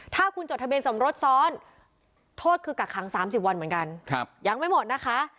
ถ้าคุณจดทะเบียนสมรสซ้อนโทษคือกักขัง๓๐วันเหมือนกันยังไม่หมดนะคะ